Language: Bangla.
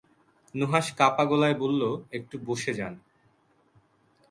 নুহাশ কাঁপা গলায় বলল, একটু বসে যান।